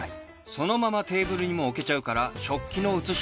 そのままテーブルにも置けちゃうから食器の移し替えも不要！